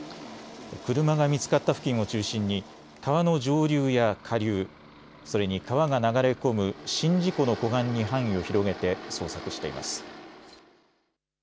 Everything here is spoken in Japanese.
車が見つかった付近を中心に川の上流や下流、それに川が流れ込む宍道湖の湖岸に範囲を広げて捜索しています。